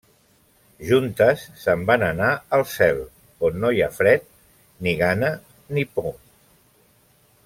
Juntes se'n van anar al cel, on no hi ha fred, ni gana ni por.